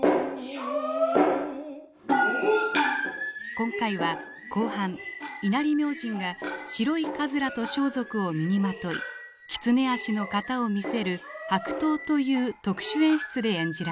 今回は後半稲荷明神が白い鬘と装束を身にまとい「狐足」の型を見せる「白頭」という特殊演出で演じられました。